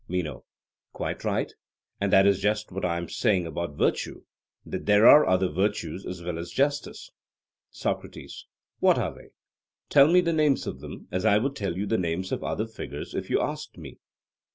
MENO: Quite right; and that is just what I am saying about virtue that there are other virtues as well as justice. SOCRATES: What are they? tell me the names of them, as I would tell you the names of the other figures if you asked me.